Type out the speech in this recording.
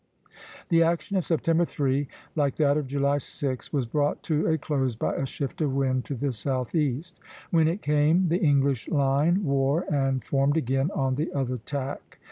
The action of September 3, like that of July 6, was brought to a close by a shift of wind to the southeast. When it came, the English line wore, and formed again on the other tack.